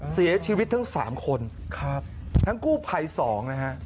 เสียชีวิตทั้ง๓คนทั้งกู้ไพสองนะฮะ